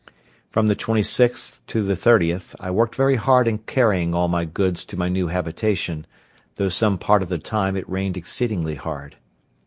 From the 26th to the 30th I worked very hard in carrying all my goods to my new habitation, though some part of the time it rained exceedingly hard.